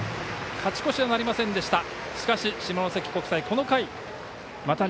勝ち越しはなりませんでした。